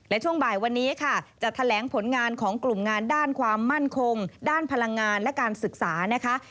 และช่วงบ่ายวันนี้ค่ะจะแถลงผลงานของกลุ่มงานด้านความมั่นคงด้านพลังงานและการศึกษานะคะ